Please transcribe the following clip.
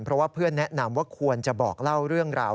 เพราะว่าเพื่อนแนะนำว่าควรจะบอกเล่าเรื่องราว